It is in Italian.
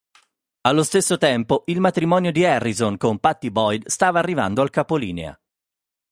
Allo stesso tempo, il matrimonio di Harrison con Pattie Boyd stava arrivando al capolinea.